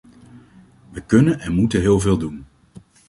We kunnen en moeten heel veel doen.